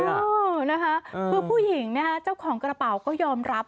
เพราะผู้หญิง่าเจ้าของกระเป๋าก็ยอมรับ